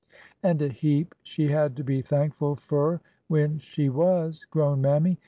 And a heap she had to be 'thankful fur when she was !" groaned Mammy.